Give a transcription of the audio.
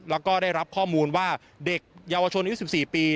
แล้วก็ได้รับข้อมูลว่าเด็กเยาวชนอายุ๑๔ปี